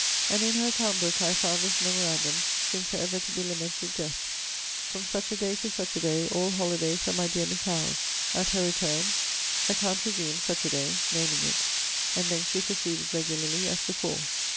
And in her account book I have found this memorandum, since her ever to be lamented death: 'From such a day, to such a day, all holidays, at my dear Miss Howe's.' At her return 'Account resumed, such a day,' naming it; and then she proceeded regularly, as before.